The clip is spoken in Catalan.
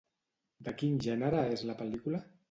De quin gènere és la pel·lícula?